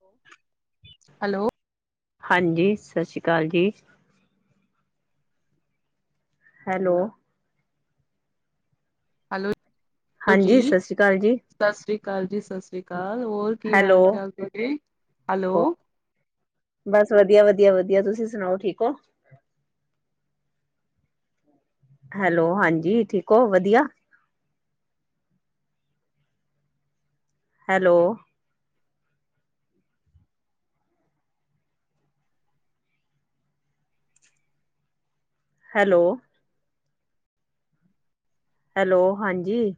ਹੋ। ਹੈਲੋ। ਹਾਂਜੀ ਸਤਿ ਸ੍ਰੀ ਅਕਾਲ ਜੀ। ਹੈਲੋ। ਹੈਲੋ। ਹੌਲੌ ਜੀ ਹਾਂਜੀ ਸਤਿ ਸ਼੍ਰੀ ਅਕਾਲ ਜੀ ਸਤਿ ਸ੍ਰੀ ਅਕਾਲ ਜੀ ਸਤਿ ਸ੍ਰੀ ਅਕਾਲ ਹੋਰ ਕੀ ਹੈਲੋ ਹਾਲ ਚਾਲ ਤੁਰੇ ਹੈਲੋ ਬਸ ਵਧੀਆ ਵਧੀਆ ਵਧੀਆ ਤੁਸੀਂ ਸੁਣਾਓ ਠੀਕ ਹੋ? ਹੈਲੋ ਹਾਂਜੀ ਠੀਕ ਹੋ ਵਧੀਆ। ਹੈਲੋ। ਹੈਲੋ। ਹੈਲੋ ਹਾਂਜੀ।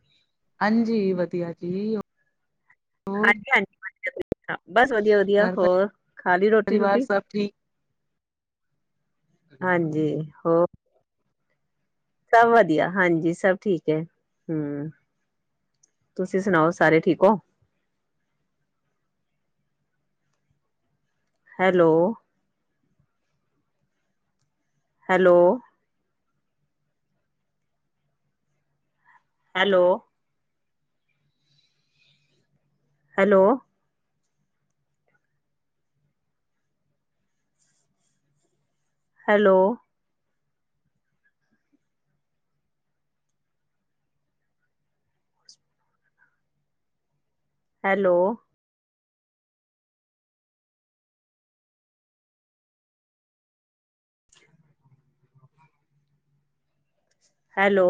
ਹਾਂਜੀ ਵਧੀਆ ਜੀ। ਹੋਰ ਹਾਂਜੀ ਹਾਂਜੀ। ਹਾਂ। ਬਸ ਵਧੀਆ ਵਧੀਆ ਘਰ ਹੋਰ ਖਾ ਲਈ ਰੋਟੀ ਪਰਿਵਾਰ ਰੋਟੀ ਸਭ ਠੀਕ ਹਾਂਜੀ ਹੋਰ? ਸਭ ਵਧੀਆ ਹਾਂਜੀ ਸਭ ਠੀਕ ਹੈ ਹਮ ਤੁਸੀਂ ਸੁਣਾਓ ਸਾਰੇ ਠੀਕ ਹੋ? Hello. Hello. Hello. Hello. Hello. Hello. Hello.